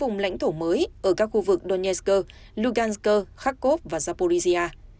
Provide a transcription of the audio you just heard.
những vùng lãnh thổ mới ở các khu vực donetsk lugansk kharkov và zaporizhia